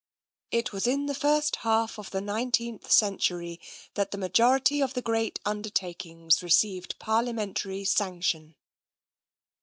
... It was in the first half of the nineteenth century that the majority of the great undertakings received parliamentary sanction.